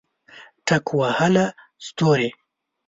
ټک وهله ستوري